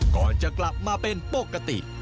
ก่อนจะกลับมาเป็นปกติ